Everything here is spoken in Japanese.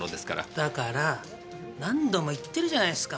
だから何度も言ってるじゃないっすか。